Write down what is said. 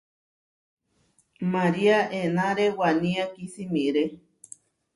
María enáre wanía kisimiré.